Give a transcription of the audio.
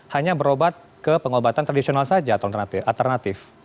hanya berobat ke pengobatan tradisional saja atau alternatif